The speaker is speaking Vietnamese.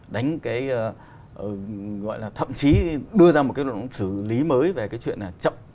đánh cái gọi là thậm chí đưa ra một cái luận xử lý mới về cái chuyện là